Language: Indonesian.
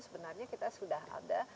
sebenarnya kita sudah ada